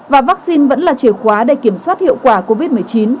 và vaccine vẫn là chìa khóa để kiểm soát hiệu quả covid một mươi chín